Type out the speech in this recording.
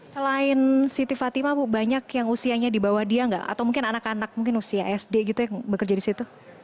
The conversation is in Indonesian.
selain siti fatima bu banyak yang usianya di bawah dia nggak atau mungkin anak anak mungkin usia sd gitu yang bekerja di situ